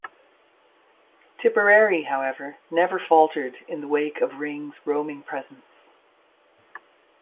Tipperary, however, never faltered in the wake of Ring's roaming presence.